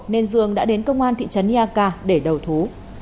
nên dương đã đến công an thị trấn ia ca để đầu thú